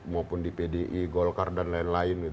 maupun di pdi golkar dan lain lain